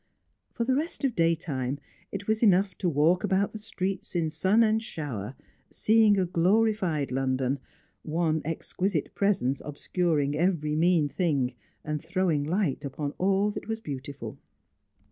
For the rest of daytime it was enough to walk about the streets in sun and shower, seeing a glorified London, one exquisite presence obscuring every mean thing and throwing light upon all that was beautiful.